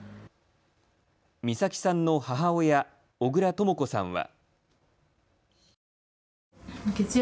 美咲さんの母親、小倉とも子さんは。